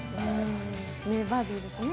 名バディですね。